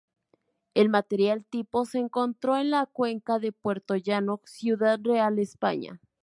El material tipo se encontró en la cuenca de Puertollano, Ciudad Real, España.